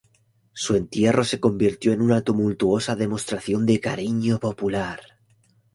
Su entierro se convirtió en una tumultuosa demostración de cariño popular.